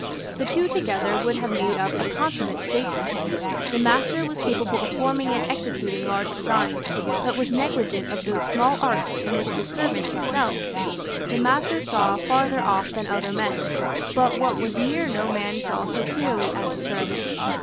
The two together would have made up a consummate statesman. The master was capable of forming and executing large designs, but was negligent of those small arts in which the servant excelled. The master saw farther off than other men; but what was near no man saw so clearly as the servant.